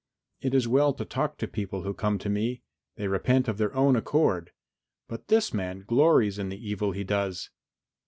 It is well to talk to the people who come to me; they repent of their own accord, but this man glories in the evil he does."